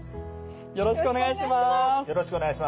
よろしくお願いします。